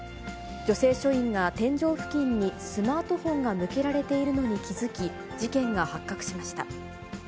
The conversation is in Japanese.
女性署員が天井付近にスマートフォンが向けられているのに気付き、事件が発覚しました。